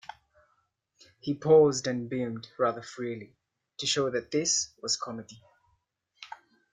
He paused, and beamed rather freely, to show that this was comedy.